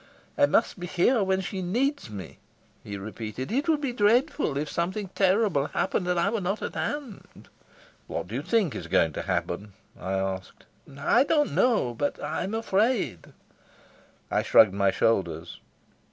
"I must be here when she needs me," he repeated. "It would be dreadful if something terrible happened and I were not at hand." "What do you think is going to happen?" I asked. "I don't know. But I'm afraid." I shrugged my shoulders.